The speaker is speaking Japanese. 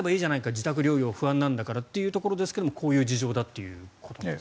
自宅療養不安なんだからということですがこういう事情だということです。